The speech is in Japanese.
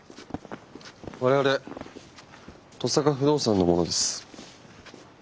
我々登坂不動産の者です。